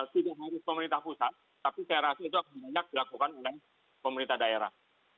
tidak harus pemerintah pusat tapi saya rasa itu akan banyak dilakukan oleh pemerintah daerah